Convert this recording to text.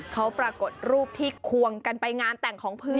เขาปรากฏรูปที่ควงกันไปงานแต่งของเพื่อน